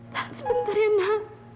tahan sebentar ya nak